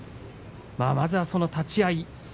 まずはその立ち合い